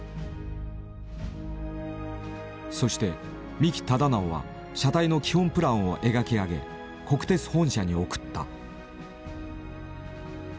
そして三木忠直は車体の基本プランを描き上げ国鉄本社に送った。